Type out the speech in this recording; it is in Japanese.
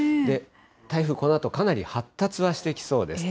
台風、このあとかなり発達はしてきそうです。